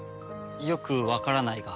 よくわからないが。